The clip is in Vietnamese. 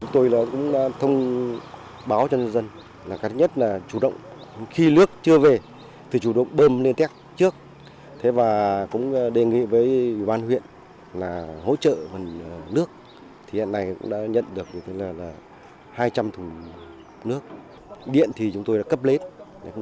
trước đó chính quyền địa phương đã thông báo cho người dân di chuyển của cải vật nuôi đến nơi an toàn